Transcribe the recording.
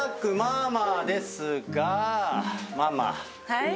はい？